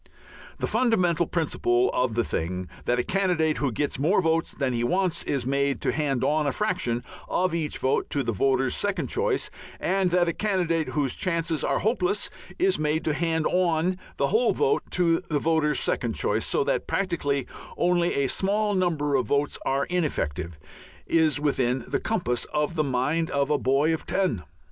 The fundamental principle of the thing, that a candidate who gets more votes than he wants is made to hand on a fraction of each vote to the voter's second choice, and that a candidate whose chances are hopeless is made to hand on the whole vote to the voter's second choice, so that practically only a small number of votes are ineffective, is within the compass of the mind of a boy of ten.